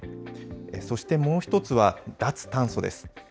そしてもう一つは、脱炭素です。